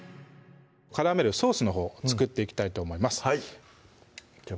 絡めるソースのほう作っていきたいと思いますじゃあ